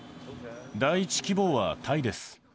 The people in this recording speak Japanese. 第１希望はタイです。